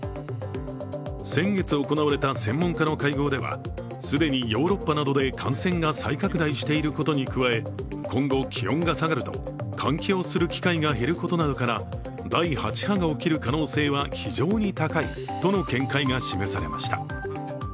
先月行われた専門家の会合では既にヨーロッパなどで感染が再拡大していることに加え今後、気温が下がると換気をする機会が減ることなどから第８波が起きる可能性は非常に高いとの見解が示されました。